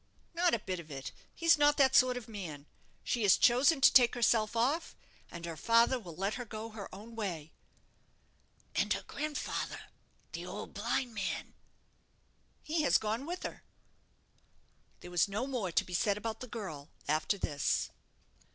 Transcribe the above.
"Not a bit of it. He's not that sort of man. She has chosen to take herself off, and her father will let her go her own way." "And her grandfather, the old blind man?" "He has gone with her." There was no more to be said about the girl after this.